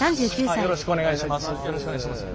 よろしくお願いします。